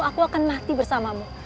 aku akan mati bersamamu